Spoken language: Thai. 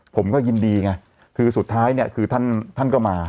ผมก็ยินดีไงคือสุดท้ายเนี่ยคือท่านท่านก็มา